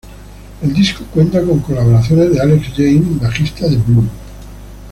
El disco cuenta con colaboraciones de Alex James, bajista de Blur.